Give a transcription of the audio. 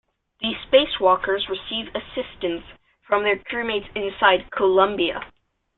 The spacewalkers received assistance from their crewmates inside "Columbia".